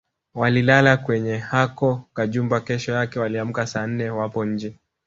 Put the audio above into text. Walilala kwenye hako kajumba kesho yake waliamka saa nne wapo nje